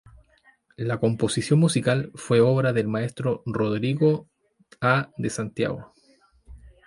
La composición musical fue obra del maestro "Rodrigo A. de Santiago".